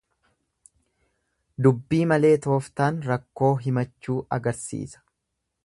Dubbii malee tooftaan rakkoo himachuu agarsiisa.